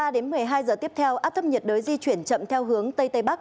đến một mươi hai giờ tiếp theo áp thấp nhiệt đới di chuyển chậm theo hướng tây tây bắc